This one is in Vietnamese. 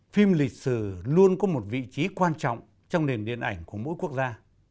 phim lịch sử luôn có một vị trí quan trọng trong nền điện ảnh của mỗi quốc gia